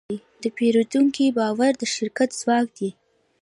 د پیرودونکي باور د شرکت ځواک دی.